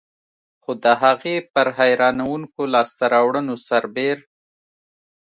خو د هغې پر حیرانوونکو لاسته راوړنو سربېر.